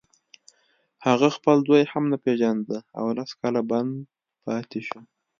هغه خپل زوی هم نه پېژانده او لس کاله بند پاتې شو